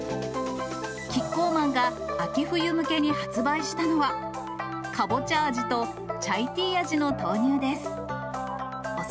キッコーマンが秋冬向けに発売したのは、かぼちゃ味と、チャイティー味の豆乳です。